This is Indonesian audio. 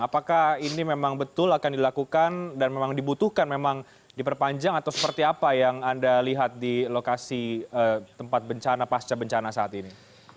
apakah ini memang betul akan dilakukan dan memang dibutuhkan memang diperpanjang atau seperti apa yang anda lihat di lokasi tempat bencana pasca bencana saat ini